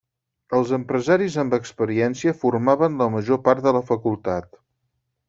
Els empresaris amb experiència formaven la major part de la facultat.